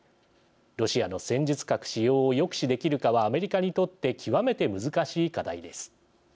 ロシアの戦術核使用を抑止できるかはアメリカにとって極めて難しい課題です。